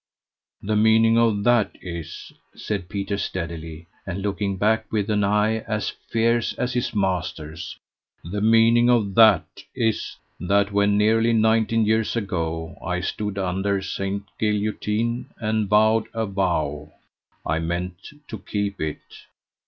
"The meaning of that is," said Peter steadily, and looking back with an eye as fierce as his master's "the meaning of that is, that when nearly nineteen years ago I stood under St. Guillotine and vowed a vow, I meant to keep it.